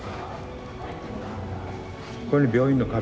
これ病院の壁。